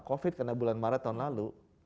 covid karena bulan maret tahun lalu